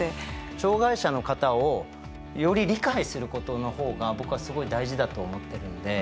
障害者の方をより理解することの方が僕はすごい大事だと思ってるんで。